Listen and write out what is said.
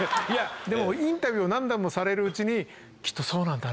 いやでもインタビューを何度もされるうちに。